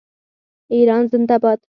ایران زنده باد.